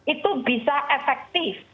itu bisa efektif